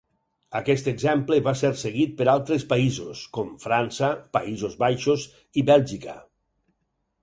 Aquest exemple va ser seguit per altres països, com França, Països Baixos i Bèlgica.